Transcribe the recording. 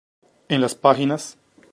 En las págs.